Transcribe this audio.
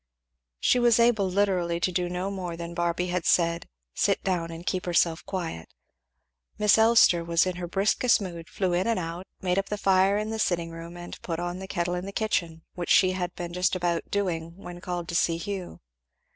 She was able literally to do no more than Barby had said, sit down and keep herself quiet. Miss Elster was in her briskest mood; flew in and out; made up the fire in the sitting room and put on the kettle in the kitchen, which she had been just about doing when called to see Hugh.